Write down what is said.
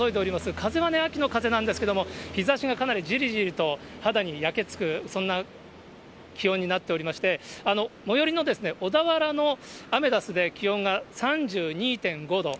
風はね、秋の風なんですけれども、日ざしがかなりじりじりと肌に焼け付く、そんな気温になっておりまして、最寄りの小田原のアメダスで気温が３２．５度。